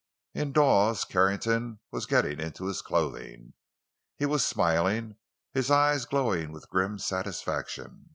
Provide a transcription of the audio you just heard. In Dawes, Carrington was getting into his clothing. He was smiling, his eyes glowing with grim satisfaction.